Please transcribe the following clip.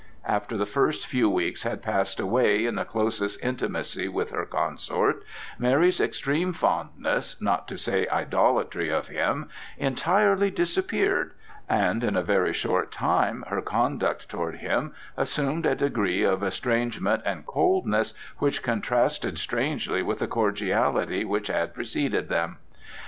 After the first few weeks had passed away in the closest intimacy with her consort, Mary's extreme fondness, not to say idolatry, of him, entirely disappeared, and in a very short time her conduct toward him assumed a degree of estrangement and coldness which contrasted strangely with the cordiality which had preceded them.